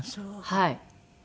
はい。